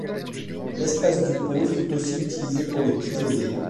L'espace du pont fut aussi utilisé pour les prisonniers.